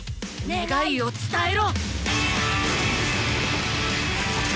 願いを伝えろ！